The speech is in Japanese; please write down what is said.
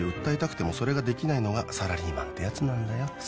訴えたくてもそれができないのがサラリーマンってやつなんだよ